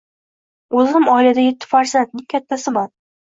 O’zim oilada yetti farzandning kattasiman.